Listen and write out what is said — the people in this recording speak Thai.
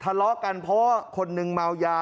ทะเลาะกันเพราะว่าคนนึงเมายา